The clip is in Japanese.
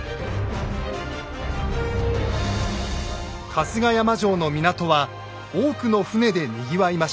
春日山城の港は多くの船でにぎわいました。